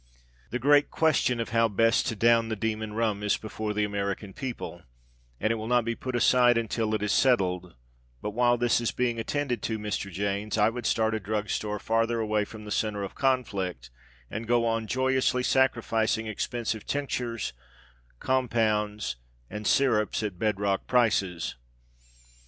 The great question of how best to down the demon rum is before the American people, and it will not be put aside until it is settled; but while this is being attended to, Mr. Jaynes, I would start a drug store farther away from the center of conflict and go on joyously, sacrificing expensive tinctures, compounds, and syrups at bed rock prices.